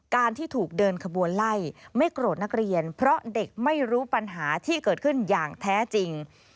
การที่ถูกเดินขบวนไล่ไม่โกรธนักเรียนเพราะเด็กไม่รู้ปัญหาที่เกิดขึ้นอย่างแท้จริง